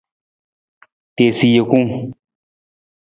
Tiisa jekung.